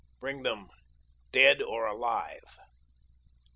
Bring them dead or alive."